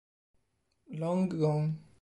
Long Gone